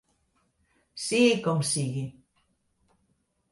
Sigui com sigui.